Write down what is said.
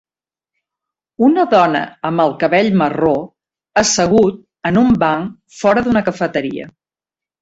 una dona amb el cabell marró assegut en un banc fora d'una cafeteria.